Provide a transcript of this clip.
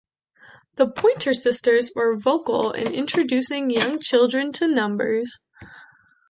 The Pointer Sisters were vocal in introducing young children to numbers.